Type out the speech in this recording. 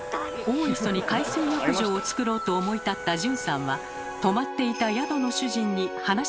大磯に海水浴場をつくろうと思い立った順さんは泊まっていた宿の主人に話を持ちかけます。